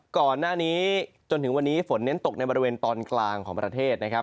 ก่อนหน้านี้จนถึงวันนี้ฝนเน้นตกในบริเวณตอนกลางของประเทศนะครับ